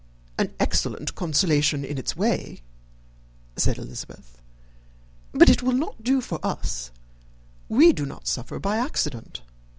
_]] "An excellent consolation in its way," said Elizabeth; "but it will not do for us. We do not suffer by accident.